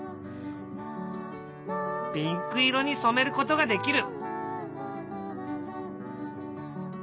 ピンク色にそめることができる。